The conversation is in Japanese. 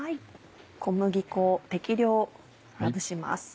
小麦粉を適量まぶします。